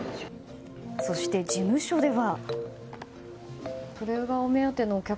そして事務所では。